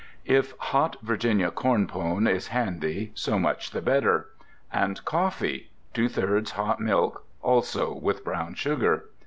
If hot Virginia corn pone is handy, so much the better. And coffee, two thirds hot milk, also with brown sugar.